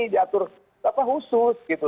diatur khusus gitu